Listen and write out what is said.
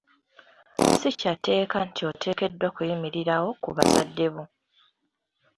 Si kya tteeka nti oteekeddwa kuyimirirawo ku bazadde bo.